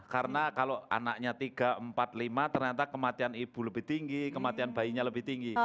karena kalau anaknya tiga empat lima ternyata kematian ibu lebih tinggi kematian bayinya lebih tinggi